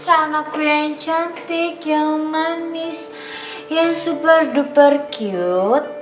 salam aku yang cantik yang manis yang super duper cute